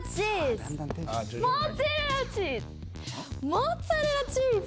モッツァレラチズ！